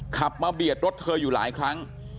ขับมาเบียดรถเธออยู่หลายครั้ง